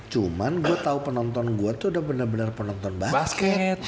cuman gue tau penonton gue tuh udah bener bener penonton basket